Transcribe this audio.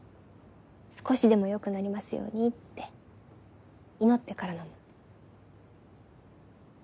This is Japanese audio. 少しでも良くなりますように」って祈ってから飲む。